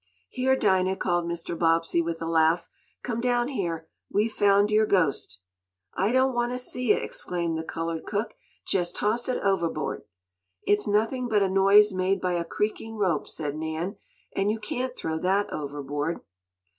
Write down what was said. "Here, Dinah!" called Mr. Bobbsey, with a laugh. "Come down here. We've found your ghost." "I doan't want to see it!" exclaimed the colored cook, "Jest toss it overbo'd!" "It's nothing but a noise made by a creaking rope," said Nan. "And you can't throw that overboard."